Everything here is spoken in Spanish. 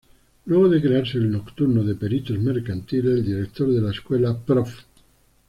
Luego de crearse el nocturno de Peritos Mercantiles el director de la escuela, Prof.